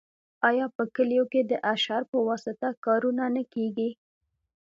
آیا په کلیو کې د اشر په واسطه کارونه نه کیږي؟